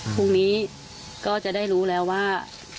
พรุ่งนี้ก็จะได้รู้แล้วว่า